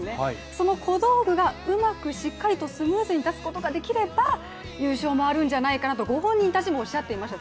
その小道具がうまくしっかりとスムーズに出すことができれば優勝もあるんじゃないかなとご本人たちもおっしゃっていました。